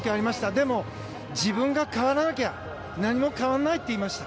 でも、自分が変わらなきゃ何も変わらないって言いました。